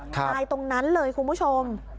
ตายตรงนั้นเลยคุณผู้ชม